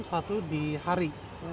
satu di hari